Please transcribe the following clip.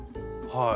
はい。